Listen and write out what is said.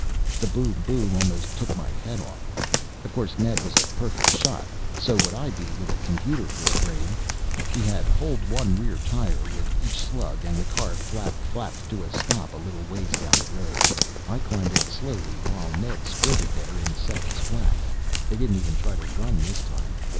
The BOOM BOOM almost took my head off. Of course Ned was a perfect shot so would I be with a computer for a brain. He had holed one rear tire with each slug and the car flap flapped to a stop a little ways down the road. I climbed out slowly while Ned sprinted there in seconds flat. They didn't even try to run this time.